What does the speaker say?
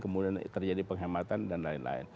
kemudian terjadi penghematan dan lain lain